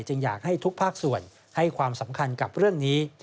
อยากให้ทุกภาคส่วนให้ความสำคัญกับเรื่องนี้